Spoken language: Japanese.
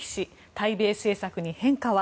対米政策に変化は？